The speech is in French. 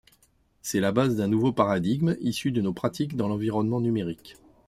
C'est la base d'un nouveau paradigme, issu de nos pratiques dans l'environnement numérique.